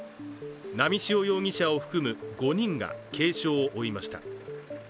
波汐容疑者を含む５人が軽傷を負いました。